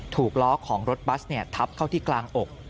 ถูกล้อของรถบัสทับเข้าที่กลางอก